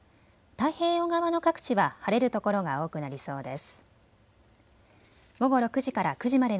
太平洋側の各地は晴れるところが多くなりそうです。